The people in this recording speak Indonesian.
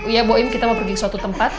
ya boim kita mau pergi ke suatu tempat